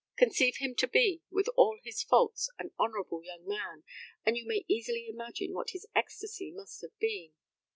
Conceive him to be, with all his faults an honourable young man, and you may easily imagine what his ecstacy must have been.